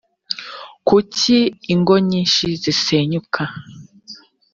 kuki ingo nyinshi zisenyuka